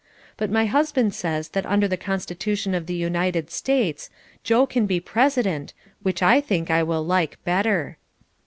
But my husband says that under the constitution of the United States, Joe can be President, which I think I will like better.